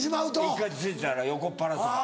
１回ついたら横っ腹とか。